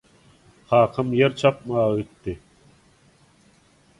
Kakam ýer çapmaga gitdi